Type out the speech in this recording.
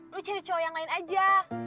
lu cari cowok yang lain aja